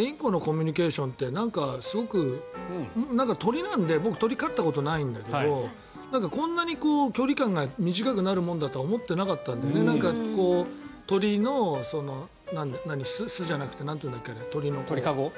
インコのコミュニケーションってすごく、鳥なので僕、鳥を飼ったことないんだけどこんなに距離感が短くなるとは思っていなかったので鳥の巣じゃなくてなんて言うんだっけ、あれ。